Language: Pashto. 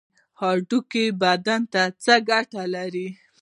هډوکي بدن ته څه ګټه لري؟